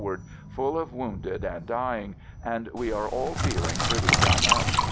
FIELD SERVICE 55 full of wounded and dying, and we are all feeling pretty done up.